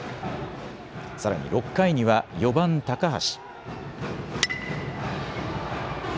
さらに６回には４番・高橋。